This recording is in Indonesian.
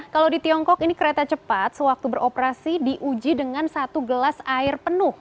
kalau di tiongkok ini kereta cepat sewaktu beroperasi diuji dengan satu gelas air penuh